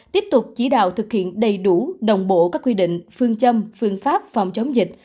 tiếp tục chỉ đạo thực hiện đầy đủ đồng bộ các quy định phương châm phương pháp phòng chống dịch